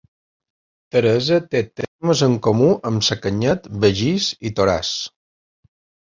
Teresa té termes en comú amb Sacanyet, Begís i Toràs.